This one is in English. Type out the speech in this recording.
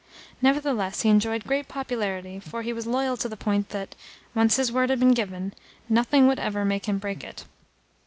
Nevertheless he enjoyed great popularity, for he was loyal to the point that, once his word had been given, nothing would ever make him break it.